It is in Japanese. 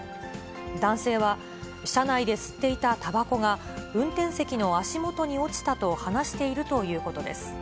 男性は、車内で吸っていたたばこが、運転席の足元に落ちたと話しているということです。